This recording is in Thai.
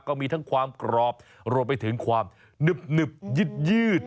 ก็มีทั้งความกรอบรวมไปถึงความหนึบยืด